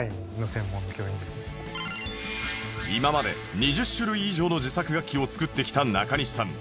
今まで２０種類以上の自作楽器を作ってきた中西さん